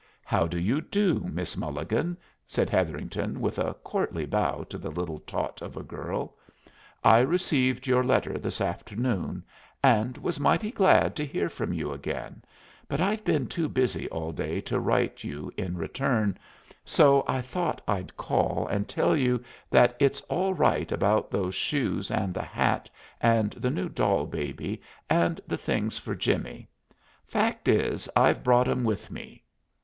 "How do you do, Miss Mulligan?" said Hetherington, with a courtly bow to the little tot of a girl. "I received your letter this afternoon, and was mighty glad to hear from you again, but I've been too busy all day to write you in return, so I thought I'd call and tell you that it's all right about those shoes, and the hat, and the new doll baby, and the things for Jimmie. Fact is, I've brought 'em with me.